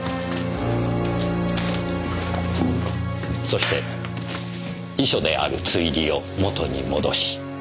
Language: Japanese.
そして遺書である『堕栗花』を元に戻し。